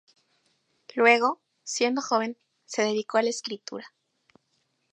Luego, siendo joven, se dedicó a la escritura.